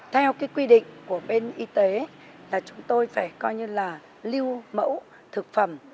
theo quy định của bên y tế chúng tôi phải lưu mẫu thực phẩm